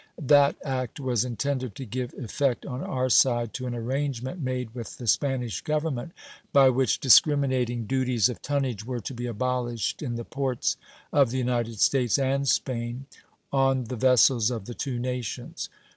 That act was intended to give effect on our side to an arrangement made with the Spanish Government by which discriminating duties of tonnage were to be abolished in the ports of the United States and Spain on he vessels of the two nations.